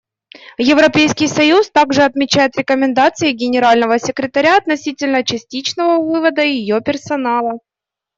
Европейский союз также отмечает рекомендации Генерального секретаря относительно частичного вывода ее персонала.